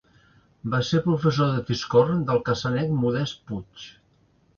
Va ser professor de fiscorn del cassanenc Modest Puig.